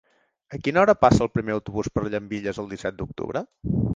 A quina hora passa el primer autobús per Llambilles el disset d'octubre?